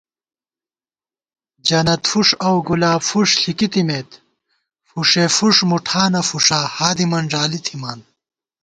جنتفُݭ اؤ گلابفُݭ ݪِکی تھِمېت، فُݭېفُݭ مُٹھانہ فُݭا ہادِمن ݫالی تھِمان